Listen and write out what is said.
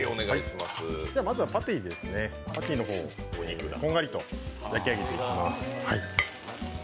まずはパティの方をこんがりと焼き上げていきます。